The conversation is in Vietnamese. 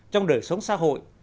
trong đời sống xã hội